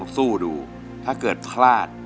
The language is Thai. สู้มั้ย